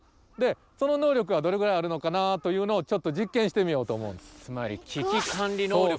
でその能力がどれぐらいあるのかなというのをちょっと実験してみようと思うんです。